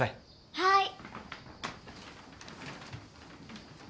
はい。